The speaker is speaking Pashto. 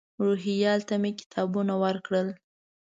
روهیال ته مې کتابونه ورکړل.